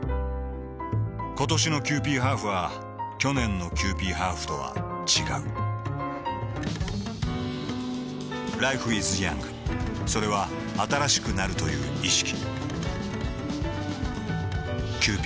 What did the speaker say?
ことしのキユーピーハーフは去年のキユーピーハーフとは違うＬｉｆｅｉｓｙｏｕｎｇ．それは新しくなるという意識